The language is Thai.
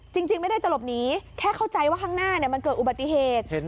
จริงไม่ได้จะหลบหนีแค่เข้าใจว่าข้างหน้ามันเกิดอุบัติเหตุ